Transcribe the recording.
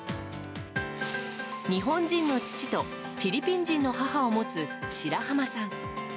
日本人の父とフィリピン人の母を持つ白濱さん。